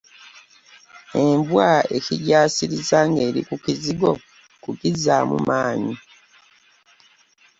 Embwa ekigyasiriza ng’eri ku kizigo kugizzaamu maanyi.